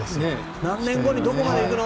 何年後にどこまで行くの？